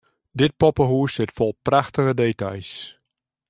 Dit poppehûs sit fol prachtige details.